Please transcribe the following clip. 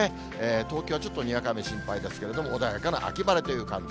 東京はちょっとにわか雨心配ですけど、穏やかな秋晴れという感じ。